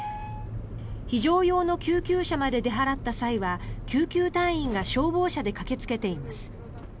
非常用の救急車まで出払った際には救急隊員が消防車で駆けつけています。